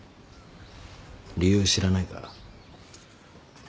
理由知らないか？